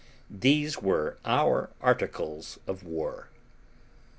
These were our articles of war.